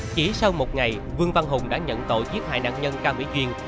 chỉ sau một ngày vương văn hùng đã nhận tội giết hại nạn nhân cao mỹ duyên